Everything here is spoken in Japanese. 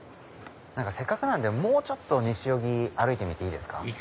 せっかくなんでもうちょっと西荻歩いてみていいですか？